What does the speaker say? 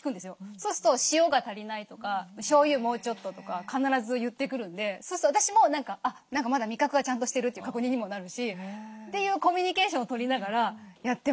そうすると「塩が足りない」とか「しょうゆもうちょっと」とか必ず言ってくるんでそうすると私もまだ味覚はちゃんとしてるっていう確認にもなるしというコミュニケーションをとりながらやってますね。